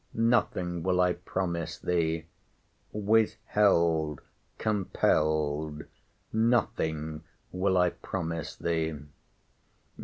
—Nothing will I promise thee!—Withheld, compelled—nothing will I promise thee!